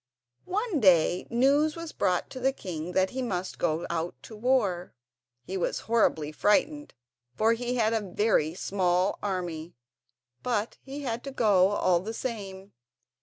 One day news was brought to the king that he must go out to war. He was horribly frightened for he had a very small army, but he had to go all the same.